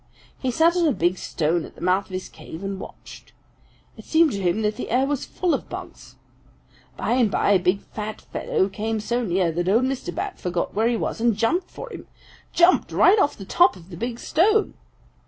He sat on a big stone at the mouth of his cave and watched. It seemed to him that the air was full of bugs. By and by a big fat fellow came so near that old Mr. Bat forgot where he was and jumped for him jumped right off: the top of the big stone.